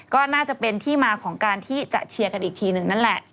ก็น่าจะเป็นที่มาของการที่จะเชียร์กันอีกทีหนึ่งนั่นแหละ